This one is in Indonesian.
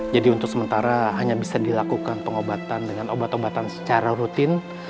jadi untuk sementara hanya bisa dilakukan pengobatan dengan obat obatan secara rutin